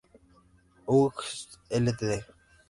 Hughes Ltd.